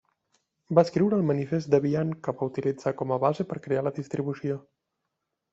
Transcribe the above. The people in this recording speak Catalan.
Va escriure el manifest Debian que va utilitzar com a base per crear la distribució.